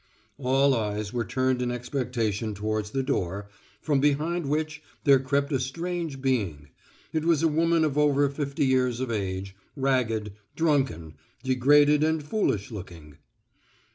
All eyes were turned in expectation towards the door, from behind which there crept a strange being. It was a woman of over fifty years of age, ragged, drunken, degraded and foolish looking.